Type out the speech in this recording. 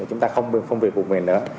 chúng ta không phung việc vùng miền nữa